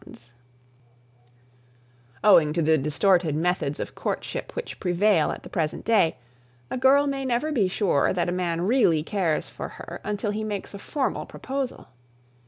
[Sidenote: A Formal Proposal] Owing to the distorted methods of courtship which prevail at the present day, a girl may never be sure that a man really cares for her until he makes a formal proposal.